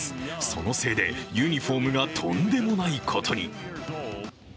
そのせいでユニフォームがとんでもないことに。